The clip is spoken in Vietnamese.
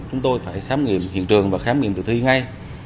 điều không cho phép chúng tôi phải khám nghiệm hiện trường và khám nghiệm tự thi ngay